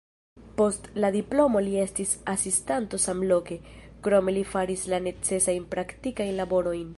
Post la diplomo li estis asistanto samloke, krome li faris la necesajn praktikajn laborojn.